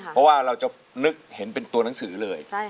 เพราะว่าเราจะนึกเห็นเป็นตัวหนังสือเลย